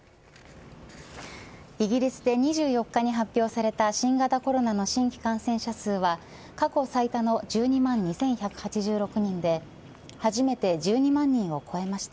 イギリスで２４日に発表された新型コロナの新規感染者数は過去最多の１２万２１８６人で初めて１２万人を超えました。